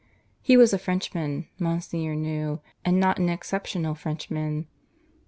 He was a Frenchman, Monsignor knew, and not an exceptional Frenchman.